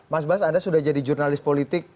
mas bas anda sudah jadi jurnalis politik